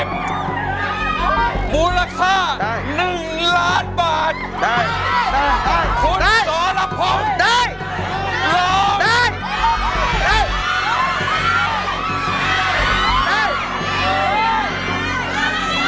มูลค่าหนึ่งล้านบาทได้ได้ได้คุณสอดพงษ์ได้ล้อมได้